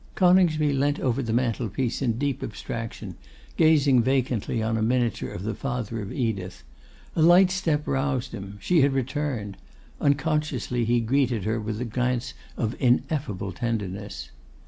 Coningsby leant over the mantel piece in deep abstraction, gazing vacantly on a miniature of the father of Edith. A light step roused him; she had returned. Unconsciously he greeted her with a glance of ineffable tenderness.